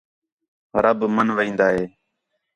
رب مَن وین٘دا ہِے